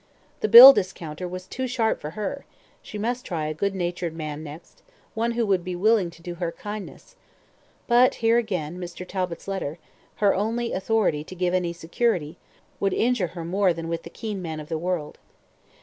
The bill discounter was too sharp for her; she must try a good natured man next, one who would be willing to do her a kindness but here again, Mr. Talbot's letter, her only authority to give any security, would injure her more than with the keen man of the world.